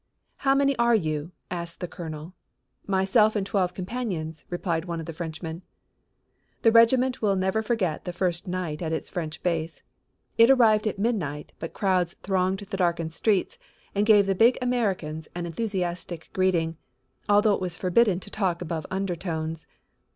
"How many are you?" asked the colonel. "Myself and twelve companions," replied one of the Frenchmen. The regiment will never forget the first night at its French base. It arrived at midnight but crowds thronged the darkened streets and gave the big Americans an enthusiastic greeting, although it was forbidden to talk above undertones.